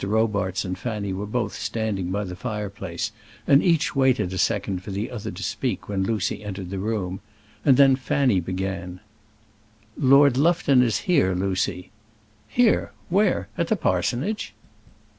Robarts and Fanny were both standing up by the fireplace, and each waited a second for the other to speak when Lucy entered the room; and then Fanny began, "Lord Lufton is here, Lucy." "Here! Where? At the parsonage?"